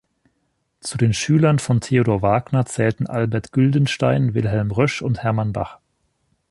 Zu den Schülern von Theodor Wagner zählten Albert Güldenstein, Wilhelm Rösch und Hermann Bach.